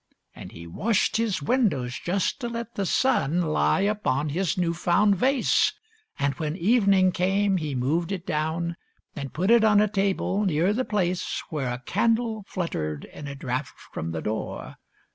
And he washed his windows just to let the sun Lie upon his new found vase; And when evening came, he moved it down And put it on a table near the place Where a candle fluttered in a draught from the door.